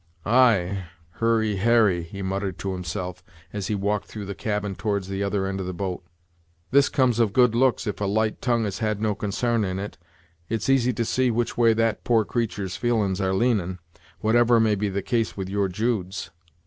"Ay, Hurry Harry," he muttered to himself, as he walked through the cabin towards the other end of the boat; "this comes of good looks, if a light tongue has had no consarn in it. It's easy to see which way that poor creatur's feelin's are leanin', whatever may be the case with your Jude's."